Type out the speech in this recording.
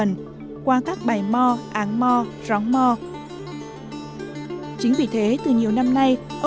thầy mò thầy mò